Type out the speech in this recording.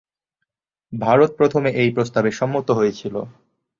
ভারত প্রথমে এই প্রস্তাবে সম্মত হয়েছিল।